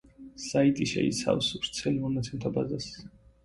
საიტი შეიცავს ვრცელ მონაცემთა ბაზას.